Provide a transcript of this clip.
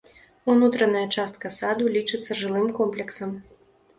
Унутраная частка саду лічыцца жылым комплексам.